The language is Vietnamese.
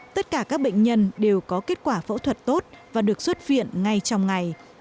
tất cả các bệnh nhân đều có kết quả phẫu thuật tốt và được xuất viện ngay trong ngày